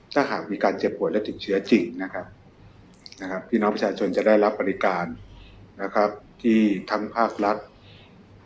ถ้าหากมีการเจ็บป่วยและติดเชื้อจริงนะครับนะครับพี่น้องประชาชนจะได้รับบริการนะครับที่ทั้งภาครัฐ